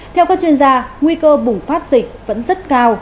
theo các chuyên gia nguy cơ bùng phát dịch vẫn rất cao